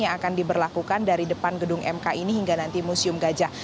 yang akan diberlakukan dari depan gedung mk ini hingga nanti museum gajah